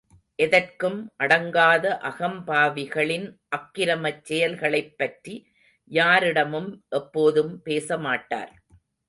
◯ எதற்கும் அடங்காத அகம்பாவிகளின் அக்கிரமச் செயல்களைப் பற்றி, யாரிடமும் எப்போதும் பேசமாட்டார்.